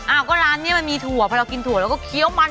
อ้าวก็ร้านนี้มันมีถั่วพอเรากินถั่วแล้วก็เคี้ยวมัน